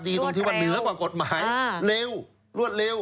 ดีตรงที่มันเหนือกว่ากฎหมายเร็วรวดเร็วรวดเร็ว